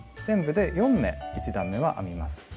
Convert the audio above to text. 全部で４目１段めは編みます。